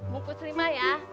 mungkus lima ya